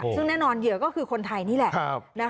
ซึ่งแน่นอนเหยื่อก็คือคนไทยนี่แหละ